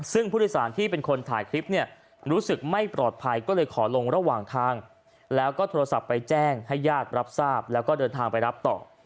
ซึ่งผู้โดยสารที่เป็นคนถ่ายคลิปเนี่ยรู้สึกไม่ปลอดภัยก็เลยขอลงระหว่างทางแล้วก็โทรศัพท์ไปแจ้งให้ญาติรับทราบแล้วก็เดินทางไปรับต่อ